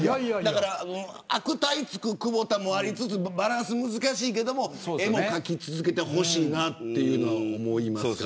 悪態つく久保田もありつつバランス難しいけれども絵も描き続けてほしいなというのが思います。